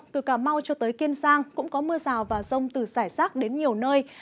từ cà mau cho tới kiên giang cũng có mưa rào và rông từ giải rác đến nhiều nơi